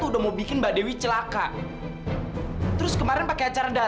sampai jumpa di video selanjutnya